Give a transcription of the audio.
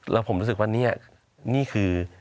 แล้วผมรู้สึกว่านี่นี่คือ